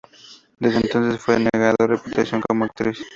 Desde entonces fue ganando reputación como actriz.